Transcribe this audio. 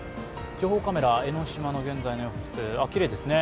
情報カメラ、江の島の現在の様子、きれいですね。